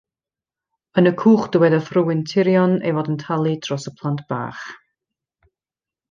Yn y cwch dywedodd rhywun tirion ei fod yn talu dros y plant bach.